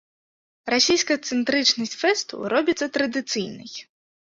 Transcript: Расійскацэнтрычнасць фэсту робіцца традыцыйнай.